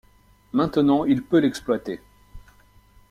Maintenant il peut l'exploiter.